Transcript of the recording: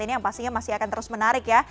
ini yang pastinya masih akan terus menarik ya